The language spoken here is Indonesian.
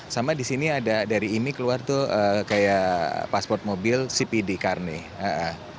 sama di sini ada dari imi keluar tuh kayak pasport mobil cpd car nih